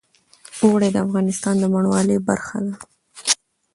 اوړي د افغانستان د بڼوالۍ برخه ده.